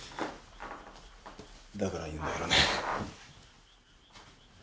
だから言うんだけどね。